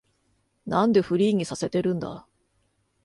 なんでフリーにさせてるんだ